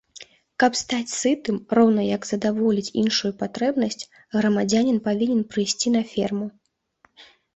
Каб стаць сытым, роўна як задаволіць іншую патрэбнасць, грамадзянін павінен прыйсці на ферму.